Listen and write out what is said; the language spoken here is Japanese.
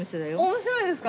面白いですか。